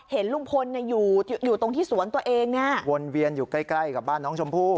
เห็นลุงพลอยู่ตรงที่สวนตัวเองเนี่ยวนเวียนอยู่ใกล้ใกล้กับบ้านน้องชมพู่